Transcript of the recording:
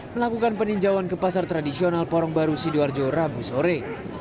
melakukan peninjauan ke pasar tradisional porong baru sidoarjo rabu sore